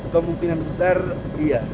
kemungkinan besar iya